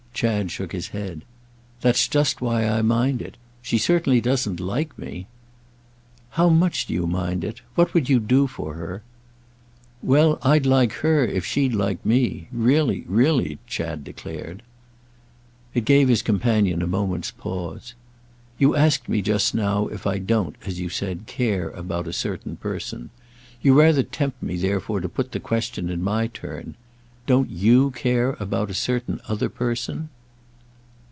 Chad shook his head. "That's just why I mind it. She certainly doesn't like me." "How much do you mind it? What would you do for her?" "Well, I'd like her if she'd like me. Really, really," Chad declared. It gave his companion a moment's pause. "You asked me just now if I don't, as you said, 'care' about a certain person. You rather tempt me therefore to put the question in my turn. Don't you care about a certain other person?"